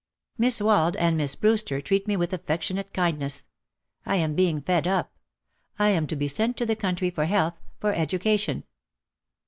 Miss Wald and Miss Brewster treat me with affection ate kindness. I am being fed up. I am to be sent to the country for health, for education.'